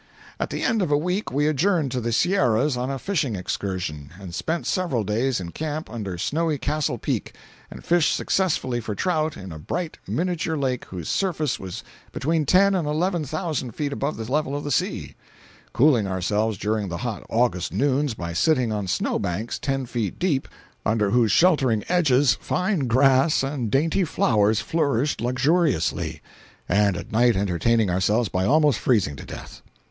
At the end of a week we adjourned to the Sierras on a fishing excursion, and spent several days in camp under snowy Castle Peak, and fished successfully for trout in a bright, miniature lake whose surface was between ten and eleven thousand feet above the level of the sea; cooling ourselves during the hot August noons by sitting on snow banks ten feet deep, under whose sheltering edges fine grass and dainty flowers flourished luxuriously; and at night entertaining ourselves by almost freezing to death.